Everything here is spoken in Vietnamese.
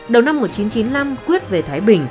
đầu năm một nghìn chín trăm chín mươi năm quyết về thái bình